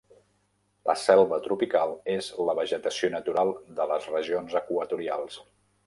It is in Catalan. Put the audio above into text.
La selva tropical és la vegetació natural de les regions equatorials.